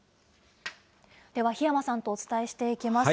では檜山さんとお伝えしていきます。